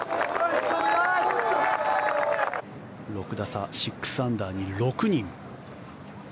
６打差、６アンダーに６人。